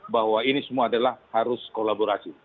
bahwa ini semua adalah harus kolaborasi